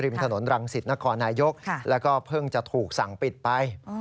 ถนนรังสิตนครนายกแล้วก็เพิ่งจะถูกสั่งปิดไป